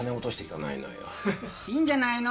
いいんじゃないの？